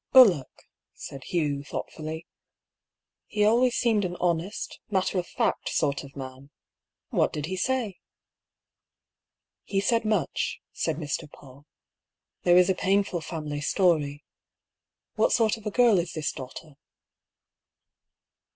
" Bullock," said Hugh, thoughtfully. " He always seemed an honest, matter of fact sort of man. What did he say ?"" He said much," said Mr. PaulL " There is a painful family story. What sort of a girl is this daugh ter?"